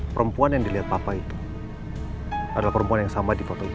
perempuan yang dilihat papa itu adalah perempuan yang sama di foto itu